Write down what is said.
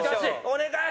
お願い！